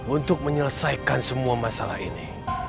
untuk menyelesaikan semua masalah ini